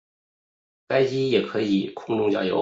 该机也可以空中加油。